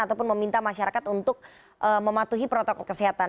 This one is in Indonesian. ataupun meminta masyarakat untuk mematuhi protokol kesehatan